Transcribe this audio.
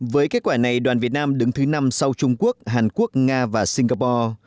với kết quả này đoàn việt nam đứng thứ năm sau trung quốc hàn quốc nga và singapore